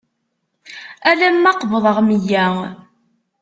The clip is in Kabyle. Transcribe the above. Alama qebḍeɣ meyya.